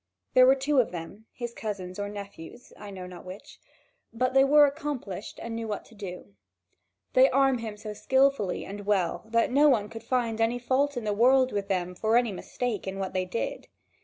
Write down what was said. There were two of them, his cousins or nephews, I know not which, but they were accomplished and knew what to do. They arm him so skilfully and well that no one could find any fault in the world with them for any mistake in what they did.